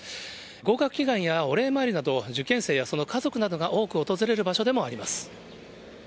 合格祈願やお礼参りなど、受験生やその家族などが多く訪れる場所でもあります。